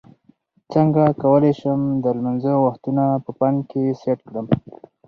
څنګه کولی شم د لمانځه وختونه په فون کې سیټ کړم